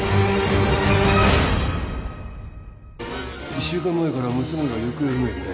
１週間前から娘が行方不明でね。